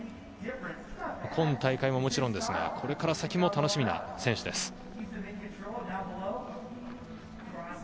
今大会ももちろんですがこれから先も楽しみな選手です。